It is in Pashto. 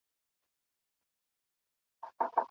کله به پخلا سي، وايي بله ورځ